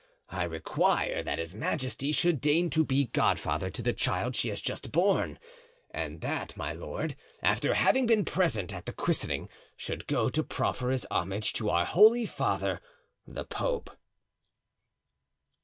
I require that his majesty should deign to be godfather to the child she has just borne; and that my lord, after having been present at the christening, should go to proffer his homage to our Holy Father the Pope."